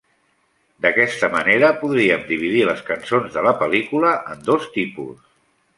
D'aquesta manera, podríem dividir les cançons de la pel·lícula en dos tipus.